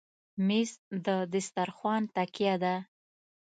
مېز د دسترخوان تکیه ده.